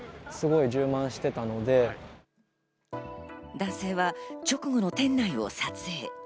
男性は直後の店内を撮影。